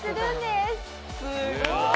すごい！